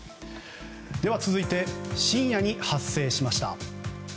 では、続いて深夜に発生しました。